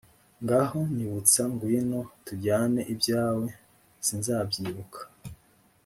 ngaho nyibutsa ngwino tujyane ibyawe sinzabyibuka